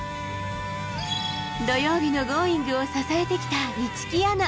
土曜日のＧｏｉｎｇ！を支えてきた市來アナ。